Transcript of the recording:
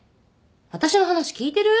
私の話聞いてる？